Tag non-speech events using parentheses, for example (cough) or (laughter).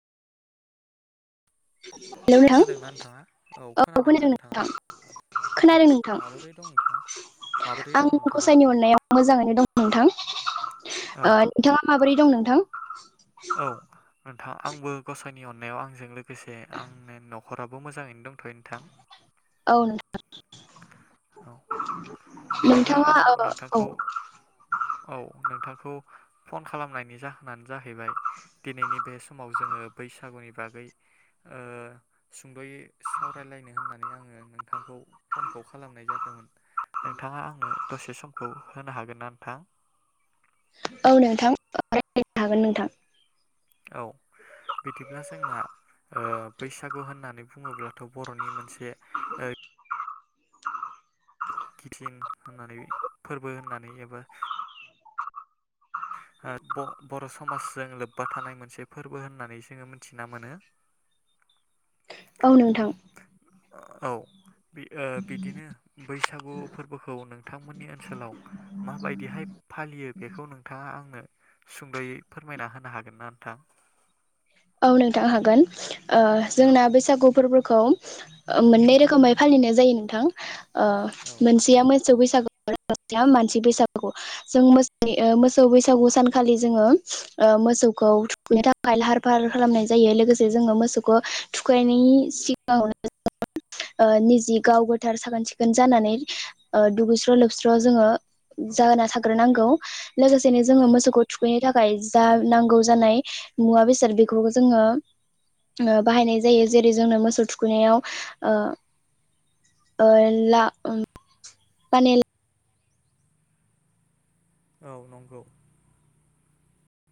Hello नोंथां खोनादोंना नोंथाङा? औ खोनादोंना खोनादों नोंथाङा? नोंथां औ खोनादों नोंथां माबोरै दं नोंथाङा? माबोरै आं दं नोंथाङा? गसाइनि अननायाव मोजाङैनो दं नोंथां औ ओ नोंथाङा माबोरै दं नोंथां? औ आंबो गसाइनि अननायाव आंजों लोगो (unintelligible) लोगोसे आंनि न खराबो मोजाङैनो दंथयो नोंथां। औ नोंथां औ बिदिब्ला आं औ नोंथांखौ औ नोंथांखौ फन खालामनायनि जाहोनानो जाहैबाय दिनैनि बे समाव जोङो बैसागुनि बागै ओ सुंदयै सावरायलायनो होननानै आअंङो नोंथांखौ फनखौ खालामनाय जादोंमोन नोंथांङा आंनो दसे समखौ होनो हागोन ना नोंथां? औ नोंथां राय्लायनो हागोन नोंथां। औ बिदिब्ला जोंना बैसागु होननानै बुङोब्ला थ बरनि मोनसे बे ओ (inaudible) किथिन होननानै फोरबो होननानै एबा ओ बर समाजजों लोब्बा थानाय मोनसे फोरबो होननानै जोंङो मिथिना मोनो। औ नोंथां। औ। बिदिनो बैसागु फोरबोखौ नोंथांमोननि ओनसोलाव माबायदिहाय फालियो बेखौ नोंथाङा आंनो सुंद'यै फोरमायना होनो हागोन ना नोंथां? औ नोंथां हागोन। ओ औ जोंना बैसागु फोरबो खौ मोननै रोखोमै फालिनाय जायो नोंथां। अ औ मोनसेया मो सौ बैसागो मानसि बसागु जों मोसौ बैसागु सानखालि जोङो ओ मोसौखौ थुखैनो थाखाय लाहार फाहार खालामनाय जायो लोगोसे जोङो मोसौखौ थुखैनायनि सिगाङावनो निजि गाव गोथार साखोन सिखोन जानानै दुगैस्र' लोबस्र' जोङो जाहोना थाग्रोनांगौ। लोगोसेनो जोङो औ मोसौखौ थुखैनो था जा नांगौ जानाय मुवा बेसे बे जोङो बाहायनाय जायो जेरै जोंनो मोसौ थुखैनायाव ओ ओ ला फानाल औ नंगौ।